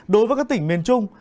đối với các tỉnh miền trung